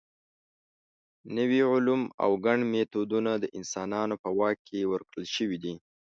نوي علوم او ګڼ میتودونه د انسانانو په واک کې ورکړل شوي دي.